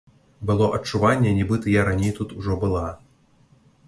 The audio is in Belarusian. Было адчуванне, нібыта я раней тут ужо была.